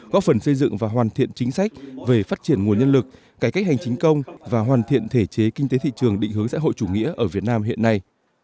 góp phần xây dựng và hoàn thiện chính sách về phát triển nguồn nhân lực cải cách hành chính công và hoàn thiện thể chế kinh tế thị trường định hướng xã hội chủ nghĩa ở việt nam hiện nay